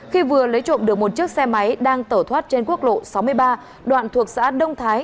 khi vừa lấy trộm được một chiếc xe máy đang tẩu thoát trên quốc lộ sáu mươi ba đoạn thuộc xã đông thái